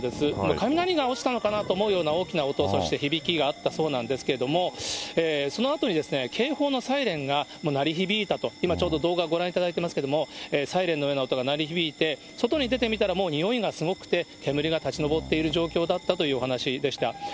雷が落ちたのかなと思うような大きな音、そして響きがあったようなんですけども、そのあとに警報のサイレンが鳴り響いたと、今ちょうど動画ご覧いただいてますけども、サイレンのような音が鳴り響いて、外に出てみたらもう臭いがすごくて、煙が立ち上っている状況だったというお話でした。